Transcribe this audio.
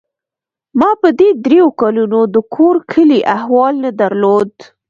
ما په دې درېو کلونو د کور کلي احوال نه درلود.